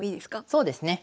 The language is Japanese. そうですね。